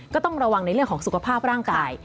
ก็ต้องระวังในเรื่องของสุขภาพร่างกาย